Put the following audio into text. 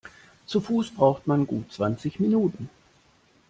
Zu Fuß braucht man gut zwanzig Minuten.